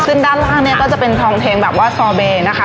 ซึ่งด้านล่างเนี่ยก็จะเป็นทองเพลงแบบว่าซอเบย์นะคะ